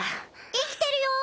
生きてるよ。